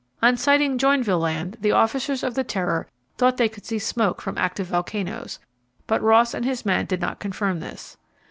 On sighting Joinville Land, the officers of the Terror thought they could see smoke from active volcanoes, but Ross and his men did not confirm this.